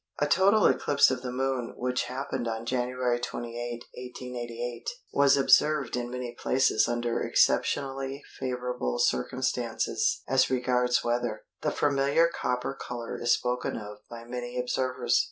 A total eclipse of the Moon which happened on January 28, 1888, was observed in many places under exceptionally favourable circumstances as regards weather. The familiar copper colour is spoken of by many observers.